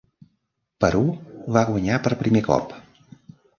Perú va guanyar per primer cop.